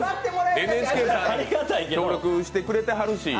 ＮＨＫさん協力してくれるし